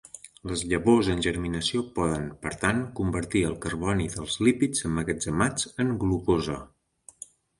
Les llavors en germinació poden, per tant, convertir el carboni dels lípids emmagatzemats en glucosa.